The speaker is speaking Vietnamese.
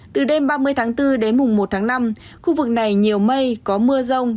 từ đêm ba mươi tháng bốn đến mùng một tháng năm khu vực này nhiều mây có mưa rông